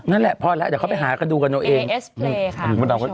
นั่นแหละพอดจะเข้าไปหาก็ดูกันตัวเอง